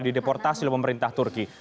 dideportasi oleh pemerintah turki